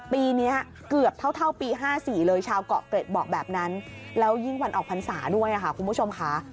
ปีนี้เกือบเท่าปี๕๔เลยชาวเกาะเกร็ดบอกแบบนั้นแล้วยิ่งวันออกพรรษาด้วยค่ะคุณผู้ชมค่ะ